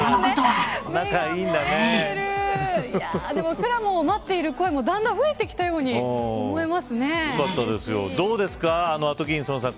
くらもんを待っている声もだんだん増えてきたようにどうですかアトキンソンさん。